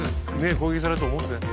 攻撃されると思ってない。